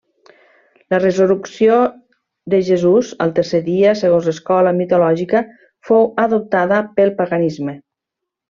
La resurrecció de Jesús al tercer dia, segons l'escola mitològica, fou adoptada del paganisme.